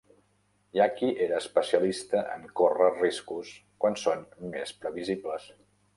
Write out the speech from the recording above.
Yakky és especialista en córrer riscos quan són més previsibles.